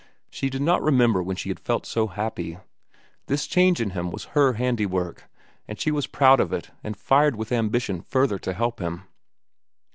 She did not remember when she had felt so happy. This change in him was her handiwork, and she was proud of it and fired with ambition further to help him.